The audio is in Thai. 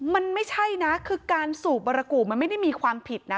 มันไม่ใช่นะคือการสูบบรกูมันไม่ได้มีความผิดนะ